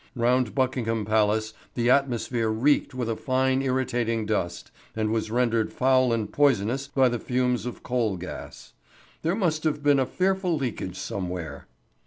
Round Buckingham Palace the atmosphere reeked with a fine irritating dust, and was rendered foul and poisonous by the fumes of coal gas. There must have been a fearful leakage somewhere.